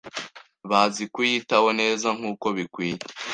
bazi kuyitaho neza nkuko bikwiye